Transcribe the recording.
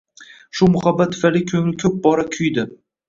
Shu muhabbat tufayli ko‘ngli ko‘p bora kuydi.